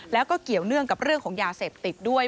แล้วก็เกี่ยวเนื่องกับเรื่องของยาเสพติดด้วย